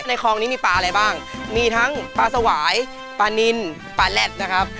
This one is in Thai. คลองนี้มีปลาอะไรบ้างมีทั้งปลาสวายปลานินปลาแร็ดนะครับ